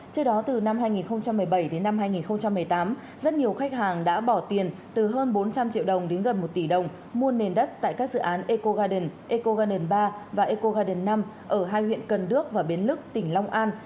trước đó từ năm hai nghìn một mươi bảy đến năm hai nghìn một mươi tám rất nhiều khách hàng đã bỏ tiền từ hơn bốn trăm linh triệu đồng đến gần một tỷ đồng mua nền đất tại các dự án eco garden eco garden ba và eco garden năm ở hai huyện cần đước và biến lức tỉnh long an